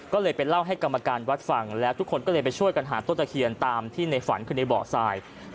ก็เลยไปเล่าให้กรรมการวัดฟังแล้วทุกคนก็เลยไปช่วยกันหาต้นตะเคียนตามที่ในฝันคือในเบาะทราย